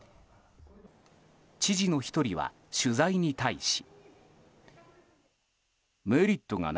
知事の１人は取材に対し。